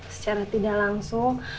secara tidak langsung